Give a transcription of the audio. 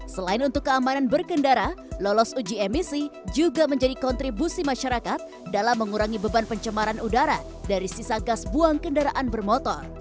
selain untuk keamanan berkendara lolos uji emisi juga menjadi kontribusi masyarakat dalam mengurangi beban pencemaran udara dari sisa gas buang kendaraan bermotor